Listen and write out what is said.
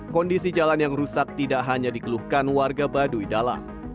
kondisi jalan yang rusak tidak hanya dikeluhkan warga baduy dalam